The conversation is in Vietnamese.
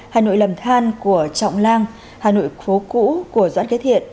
hà nội lầm than của trọng lang hà nội phố cũ của doãn kế thiện